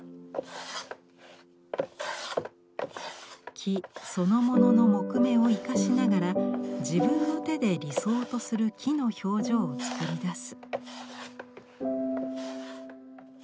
木そのものの木目を生かしながら自分の手で理想とする木の表情を作り出す。